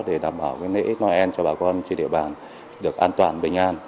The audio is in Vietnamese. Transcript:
để đảm bảo nễ noel cho bà con trên địa bàn được an toàn bình an